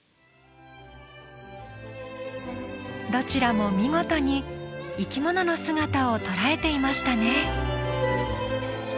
どちらも見事に生き物の姿を捉えていましたね。